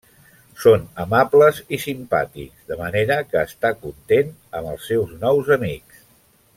Són amables i simpàtics, de manera que està content amb els seus nous amics.